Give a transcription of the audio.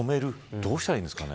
どうしたらいいんですかね。